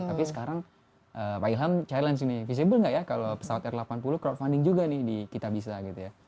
tapi sekarang pak ilham challenge nih visible nggak ya kalau pesawat r delapan puluh crowdfunding juga nih di kitabisa gitu ya